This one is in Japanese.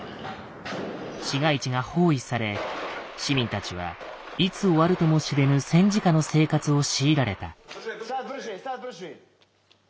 市街地が包囲され市民たちはいつ終わるとも知れぬ戦時下の生活を強いられた。